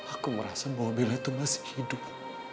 aku merasa bahwa bella itu masih hidup